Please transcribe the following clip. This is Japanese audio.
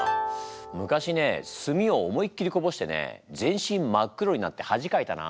昔ねすみを思いっきりこぼしてね全身真っ黒になってはじかいたな。